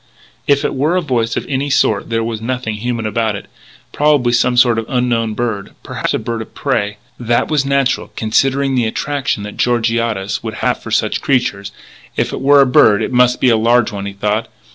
If it were a voice of any sort there was nothing human about it.... Probably some sort of unknown bird.... Perhaps a bird of prey.... That was natural, considering the attraction that Georgiades would have for such creatures.... If it were a bird it must be a large one, he thought....